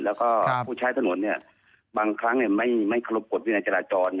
แล้วก็ผู้ใช้ถนนบางครั้งไม่ครบกฎด้วยในจราจร